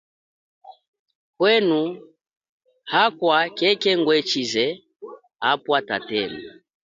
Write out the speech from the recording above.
Pwenu akwa khekhe ngwe chize apwa tatenu.